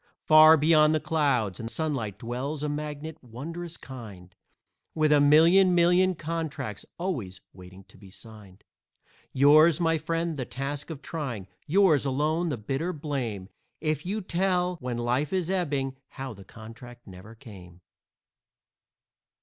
Far beyond the clouds and sunlight dwells a magnate wondrous kind, With a million, million contracts always waiting to be signed. Yours, my friend, the task of trying; yours alone the bitter blame, If you tell, when life is ebbing, how the contract never came.